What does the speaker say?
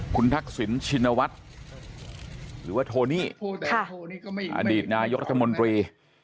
คุณทักษิณชินวัฒน์หรือว่าโทนี่อดีตนายกรัฐมนตรี